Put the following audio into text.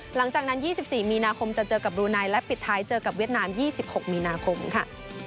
หลังจากนั้น๒๔มีนาคมจะเจอกับบรูไนและปิดท้ายเจอกับเวียดนาม๒๖มีนาคมค่ะ